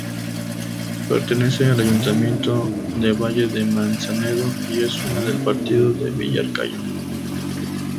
Pertenece al ayuntamiento de Valle de Manzanedo y es una del partido de Villarcayo.